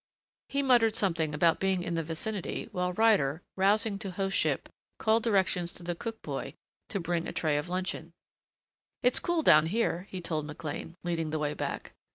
He muttered something about being in the vicinity while Ryder, rousing to hostship, called directions to the cook boy to bring a tray of luncheon. "It's cool down here," he told McLean, leading the way back.